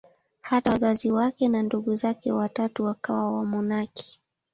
Hata wazazi wake na ndugu zake watatu wakawa wamonaki.